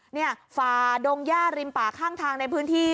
เนี่ยฝาดงญาติริมป่าข้างทางในพื้นที่